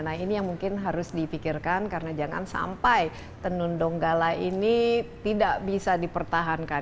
nah ini yang mungkin harus dipikirkan karena jangan sampai tenun donggala ini tidak bisa dipertahankan